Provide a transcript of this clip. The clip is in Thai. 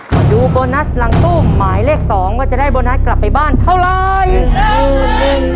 เวร์งด์ตั้งคู่หมายเลข๒ว่าจะได้บอร์นัสกลับไปบ้านเท่าไหร่